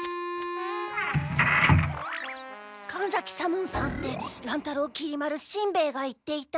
神崎左門さんって乱太郎きり丸しんべヱが言っていた。